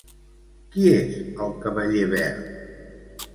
Qui és el Cavaller verd?